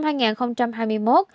google một năm tìm kiếm